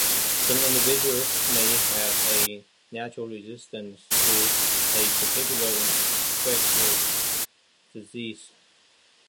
Some individuals may have a natural resistance to a particular infectious disease.